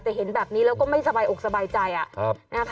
แต่เห็นแบบนี้แล้วก็ไม่สบายอกสบายใจ